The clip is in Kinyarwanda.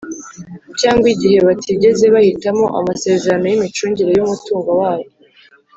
cyangwa igihe batigeze bahitamo amasezerano y’imicungire y’umutungo wabo,